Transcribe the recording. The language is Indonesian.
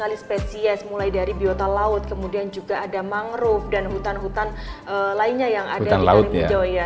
hutan laut kemudian juga ada mangrove dan hutan hutan lainnya yang ada di kalimun jawa ya